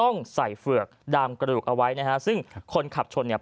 ต้องใส่เฝือกดามกระดูกเอาไว้นะฮะซึ่งคนขับชนเนี่ย